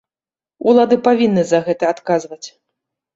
Улады павінны за гэта адказваць.